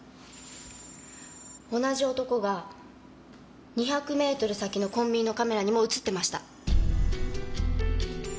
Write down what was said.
同じ男が２００メートル先のコンビニのカメラにも映ってました。